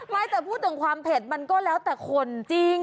ไม่แต่พูดถึงความเผ็ดมันก็แล้วแต่คนจริง